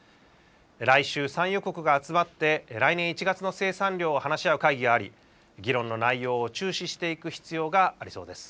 来週、産油国が集まって来年１月の生産量を話し合う会議があり、議論の内容を注視していく必要がありそうです。